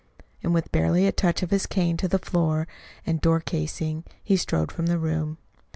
And with barely a touch of his cane to the floor and door casing, he strode from the room.